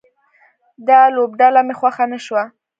دا لوبډله مې خوښه نه شوه